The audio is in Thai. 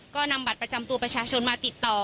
ก็นำบัตรประจำตัวประชาชนมาติดต่อ